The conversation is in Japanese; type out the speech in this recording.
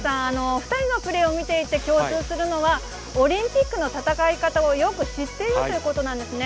２人のプレーを見ていて共通するのは、オリンピックの戦い方をよく知っているということなんですね。